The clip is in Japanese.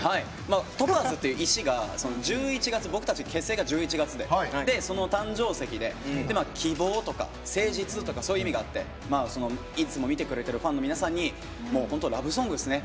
トパーズという石は１１月、僕たち結成が１１月でその誕生石で「希望」とか「誠実」とかそういう意味があっていつも見てくれてる皆さんにラブソングですね。